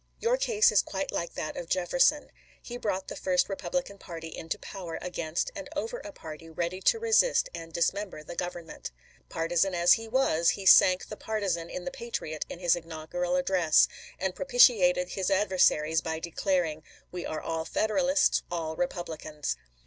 Your case is quite like that of Jefferson. He brought the first Republican party into power against and over a party ready to resist and dismember the Government. Partisan as he was, he sank the partisan in the patriot in his inaugural address, and propitiated his adversaries by declaring :" We are all Federalists, all Republicans."